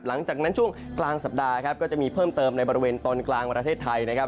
หลังจากนั้นช่วงกลางสัปดาห์ครับก็จะมีเพิ่มเติมในบริเวณตอนกลางประเทศไทยนะครับ